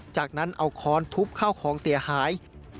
จากนั้นเอาค้อนทุบเข้าของเสียหาย